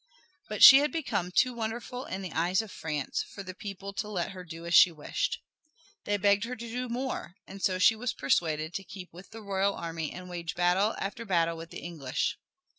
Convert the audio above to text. But she had become too wonderful in the eyes of France for the people to let her do as she wished. They begged her to do more, and so she was persuaded to keep with the royal army and wage battle after battle with the English.